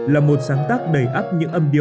là một sáng tác đầy ấp những âm điệu